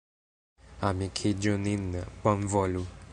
Amikiĝu nin, bonvolu!